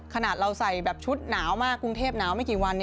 ขนาดเราใส่แบบชุดหนาวมากกรุงเทพหนาวไม่กี่วัน